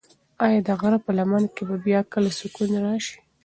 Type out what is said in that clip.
ایا د غره په لمن کې به بیا کله سکون راشي؟